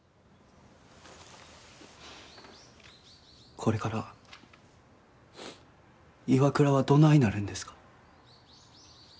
これからＩＷＡＫＵＲＡはどないなるんですか。